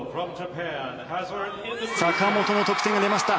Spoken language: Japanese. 坂本の得点が出ました。